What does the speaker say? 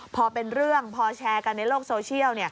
พอเป็นเรื่องพอแชร์กันในโลกโซเชียล